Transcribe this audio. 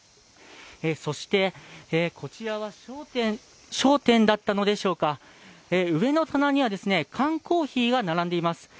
そしてこちらは商店だったのでしょうか、上の棚には缶コーヒーが並んでいます。